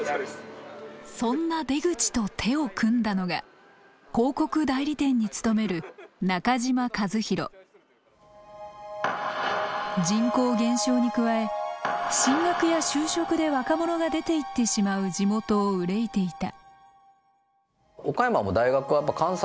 そんな出口と手を組んだのが人口減少に加え進学や就職で若者が出ていってしまう地元を憂いていた。